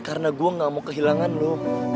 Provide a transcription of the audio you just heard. karena gue gak mau kehilangan lo